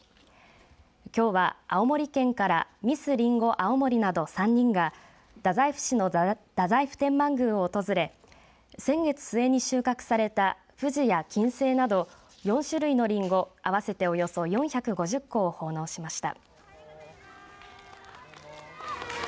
きょうは、青森県からミスりんごあおもりなど３人が太宰府市の太宰府天満宮を訪れ先月末に収穫されたふじや金星など４種類のりんご合わせておよそ４５０個を奉納しました。